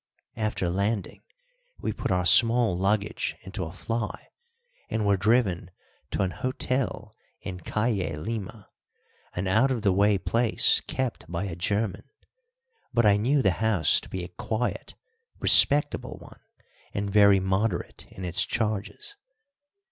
After landing we put our small luggage into a fly and were driven to an hotel in Calle Lima, an out of the way place kept by a German; but I knew the house to be a quiet, respectable one and very moderate in its charges.